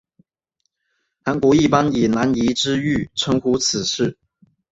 韩国一般以南怡之狱称呼此事。